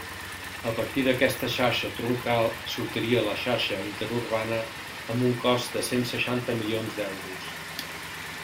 A partir d'aquesta xarxa troncal sortiria la xarxa interurbana, amb un cost de cent seixanta milions d'euros.